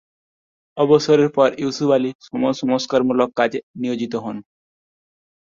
অবসরের পর ইউসুফ আলি সমাজ সংস্কারমূলক কাজে নিয়োজিত হন।